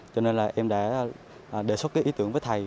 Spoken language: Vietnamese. cho nên em đã đề xuất ý tưởng với thầy